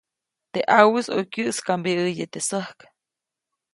Teʼ ʼawuʼis ʼoyu kyäʼskaʼmbäʼäye teʼ säjk.